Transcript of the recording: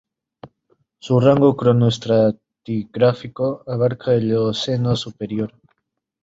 Su rango cronoestratigráfico abarca el Eoceno superior.